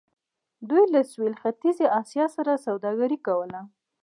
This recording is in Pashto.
دوی له سویل ختیځې اسیا سره سوداګري کوله.